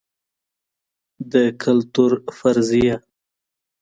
د کلتور فرضیه